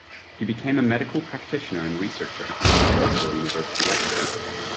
He became a medical practitioner and researcher, and was also a university lecturer.